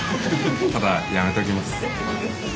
ただやめときます。